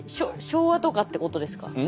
昭和とかってことですか？